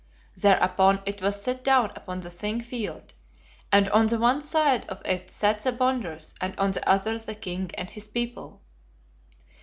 Thereupon it was set down upon the Thing field; and on the one side of it sat the Bonders, and on the other the King and his people.